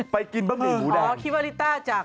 ไปกินบะหมี่หมูแดงอ๋อคิดว่าลิต้าจาก